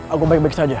aku baik baik saja